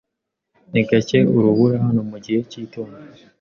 Ni gake urubura hano mu gihe cy'itumba.